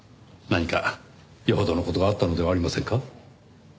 何か余程の事があったのではありませんか？